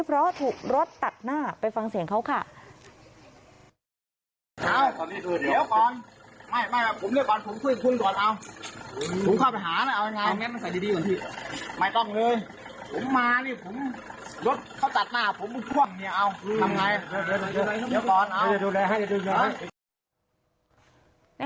เพราะถูกรถตัดหน้าไปฟังเสียงเขาค่ะ